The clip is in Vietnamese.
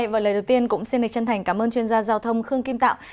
và lời đầu tiên cũng xin đề chân thành cảm ơn chuyên gia giao thông khương kim tạo